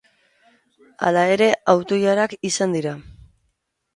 Hala ere, auto-ilarak izan dira.